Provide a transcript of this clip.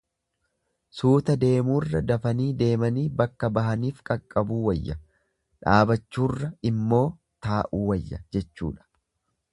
Suuta deemuurra dafanii deemanii bakka bahaniif qaqqabuu wayya, dhaabachurraa immoo ta'uu wayya jechuudha.